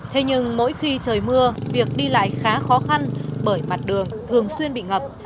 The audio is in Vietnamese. thế nhưng mỗi khi trời mưa việc đi lại khá khó khăn bởi mặt đường thường xuyên bị ngập